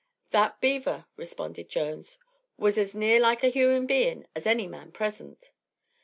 "That beaver," responded Jones, "was as near like a human bein' as any man present."